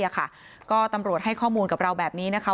ให้อ่ะค่ะก็ตำรวจให้ข้อมูลกับเราแบบนี้นะคะ